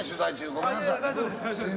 ごめんなさい。